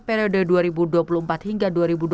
periode dua ribu dua puluh empat hingga dua ribu dua puluh